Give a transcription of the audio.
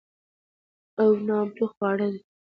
او نامتو خواړه دي،